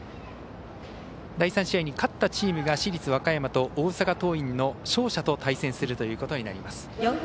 第３試合に勝ったチームが市立和歌山と大阪桐蔭の大阪桐蔭の勝者と対戦するということになります。